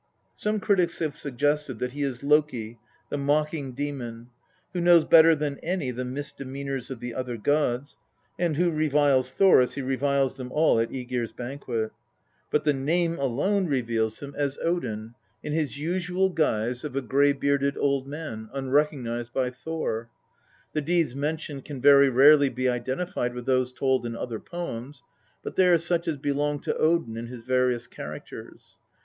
Some critics have suggested that he is Loki, the mocking demon, who knows better than any the mis demeanours of the other gods, and who now reviles Thor as he reviles them all at ^Egir's banquet. But the name alone reveals him as INTRODUCTION. XLIX Odin in his usual disguise of a grey bearded old man, unrecognised by Thor. The deeds mentioned can very rarely be identified with those told in other poems, but they are such as belonged to Odin in his various characters.